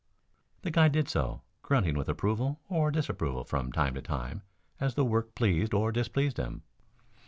The guide did so, grunting with approval or disapproval from time to time as the work pleased or displeased him.